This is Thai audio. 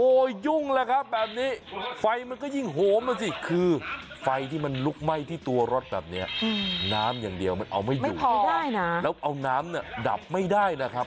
โอ้โหยุ่งแล้วครับแบบนี้ไฟมันก็ยิ่งโหมมาสิคือไฟที่มันลุกไหม้ที่ตัวรถแบบนี้น้ำอย่างเดียวมันเอาไม่อยู่เอาไม่ได้นะแล้วเอาน้ำเนี่ยดับไม่ได้นะครับ